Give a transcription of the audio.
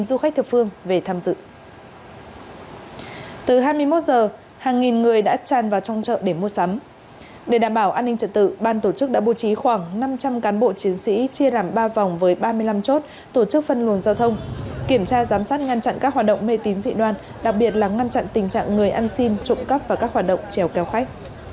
để đảm bảo an ninh trận tự ban tổ chức đã bố trí khoảng năm trăm linh cán bộ chiến sĩ chia làm ba vòng với ba mươi năm chốt tổ chức phân luồn giao thông kiểm tra giám sát ngăn chặn các hoạt động mê tín dị đoan đặc biệt là ngăn chặn tình trạng người ăn xin trụng cắp và các hoạt động trèo kéo khách